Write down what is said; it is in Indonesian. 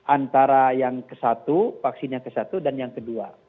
antara yang ke satu vaksin yang ke satu dan yang kedua